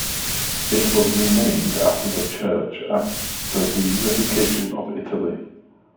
It was renamed after the church after the unification of Italy.